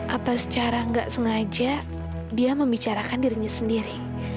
apa secara nggak sengaja dia membicarakan dirinya sendiri